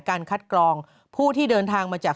การคัดกรองผู้ที่เดินทางมาจาก